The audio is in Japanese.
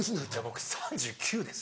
僕３９です。